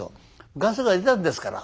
ガスが出たんですから。